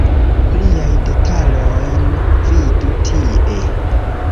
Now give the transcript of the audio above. Pliajn detalojn vidu tie.